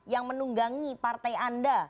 yang menunggangi partai anda